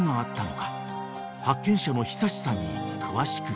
［発見者の久司さんに詳しく聞くと］